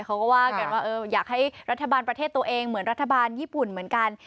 เขาก็ว่ากันว่าอยากให้รัฐบาลประเทศตัวเองเหมือนรัฐบาลญี่ปุ่นเหมือนกัน